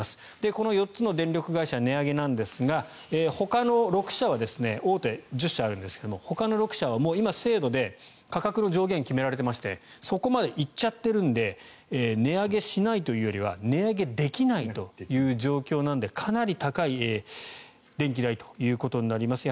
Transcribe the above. この４つの電力会社値上げなんですがほかの６社は大手１０社あるんですがほかの６社は今、制度で価格の上限が決められていましてそこまで行っちゃってるんで値上げしないというよりは値上げできないという状況なのでかなり高い電気代ということになります。